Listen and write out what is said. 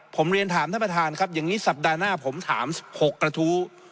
ผมเรียนถามท่านประธานครับอย่างนี้สัปดาห์หน้าผมถาม๖กระทู้